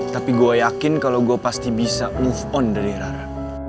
tapi gue yakin kalau gue pasti bisa move on dari rara